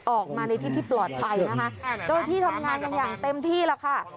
ออกมาในที่ที่ปลอดภัยนะคะเจ้าที่ทำงานกันอย่างเต็มที่แล้วค่ะ